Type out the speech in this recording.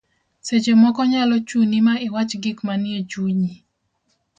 seche moko nyalo chuni ma iwach gik manie chunyi